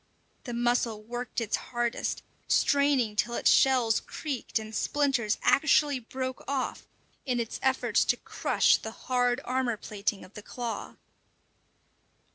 The mussel worked its hardest, straining till its shells creaked and splinters actually broke off in its efforts to crush the hard armour plating of the claw.